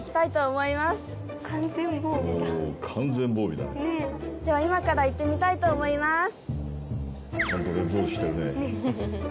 では今から行ってみたいと思います。